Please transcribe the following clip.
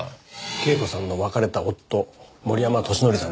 恵子さんの別れた夫森山敏則さんです。